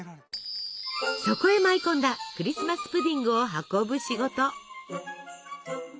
そこへ舞い込んだクリスマス・プディングを運ぶ仕事。